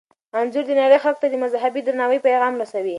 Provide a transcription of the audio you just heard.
انځور د نړۍ خلکو ته د مذهبي درناوي پیغام رسوي.